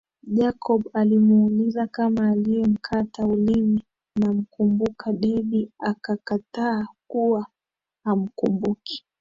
Jacob alimuuliza kama aliyemkata ulimi namkumbuka Debby akakataa kuwa hamkumbuki